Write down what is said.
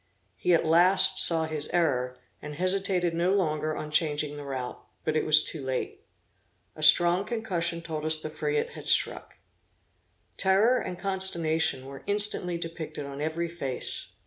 He at last saw his error, and hesitated no longer on changing the route, but it was too late. A strong concussion told us the frigate had struck. Terror and consternation were instantly depicted on every face.